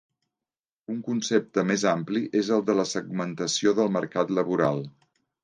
Un concepte més ampli és el de la segmentació del mercat laboral.